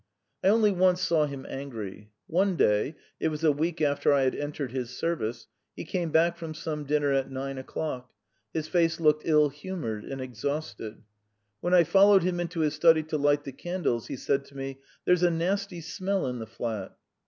I only once saw him angry. One day it was a week after I had entered his service he came back from some dinner at nine o'clock; his face looked ill humoured and exhausted. When I followed him into his study to light the candles, he said to me: "There's a nasty smell in the flat."